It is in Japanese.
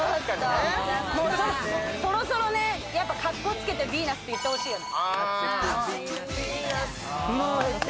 そろそろね、やっぱカッコつけて『Ｖｅｎｕｓ』って言ってほしいよね。